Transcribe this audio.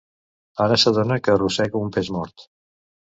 Ara s'adona que arrossega un pes mort.